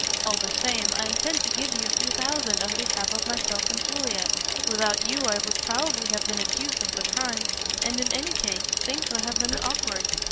"All the same, I intend to give you a few thousands on behalf of myself and Juliet. Without you I would probably have been accused of the crime. And, in any case, things would have been awkward.